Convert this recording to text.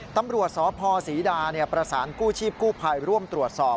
ตำรวจสพศรีดาประสานกู้ชีพกู้ภัยร่วมตรวจสอบ